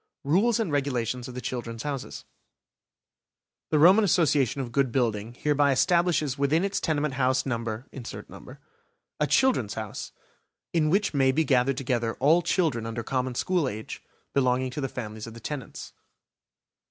RULES AND REGULATIONS OF THE "CHILDREN'S HOUSES" The Roman Association of Good Building hereby establishes within its tenement house number , a "Children's House", in which may be gathered together all children under common school age, belonging to the families of the tenants.